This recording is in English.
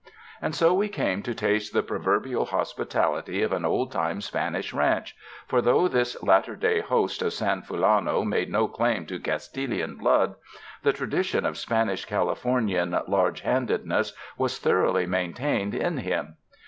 And so we came to taste the proverbial hospitality of an old time Spanish ranch, for though this latter day host of San Fulano made no claim to Castilian blood, the tradition of Spanish Californian large handedness was thoroughly maintained in him.